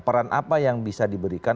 peran apa yang bisa diberikan